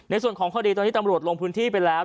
ในส่วนของคดีตอนนี้ตำรวจลงพื้นที่ไปแล้ว